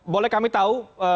boleh kami tahu